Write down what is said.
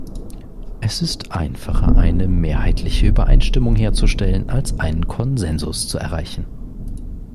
Es ist einfacher, eine mehrheitliche Übereinstimmung herzustellen als einen Konsensus zu erreichen.